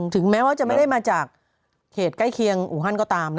ถึงแม้ว่าจะไม่ได้มาจากเขตใกล้เคียงอูฮันก็ตาม